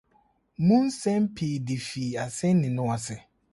mu nsɛm pii de fii asɛnni no ase.